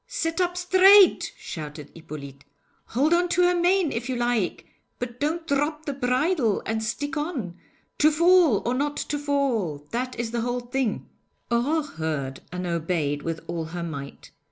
'Sit up straight,' shouted Hippolyte. 'Hold on to her mane if you like, but don't drop the bridle, and stick on. To fall or not to fall that is the whole thing.' Aurore heard and obeyed with all her might.